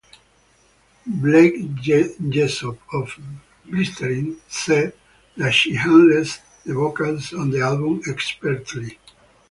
Blake Jessop of "Blistering" said that she handles the vocals on the album expertly.